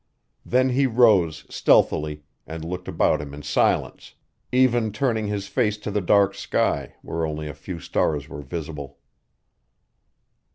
Then he rose, stealthily, and looked about him in silence, even turning his face to the dark sky where only a few stars were visible.